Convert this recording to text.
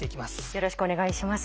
よろしくお願いします。